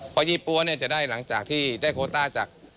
เพราะยี่ปั๊วเนี่ยจะได้หลังจากที่ได้โคต้าจาก